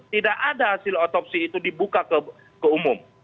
tidak ada hasil otopsi itu dibuka ke umum